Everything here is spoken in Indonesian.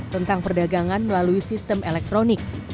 tentang perdagangan melalui sistem elektronik